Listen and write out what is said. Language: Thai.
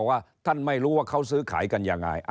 ว่าท่านไม่รู้ว่าเขาซื้อขายกันยังไง